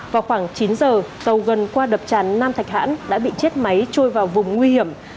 vào khoảng chín giờ tàu gần qua đập tràn nam thạch hãn đã bị chết máy trôi vào vùng nguy hiểm